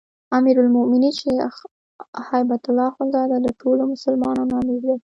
امیرالمؤمنین شيخ هبة الله اخوندزاده د ټولو مسلمانانو امیر دی